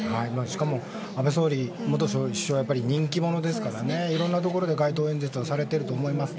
しかも、安倍元首相は人気者ですからいろんなところで街頭演説をされていると思います。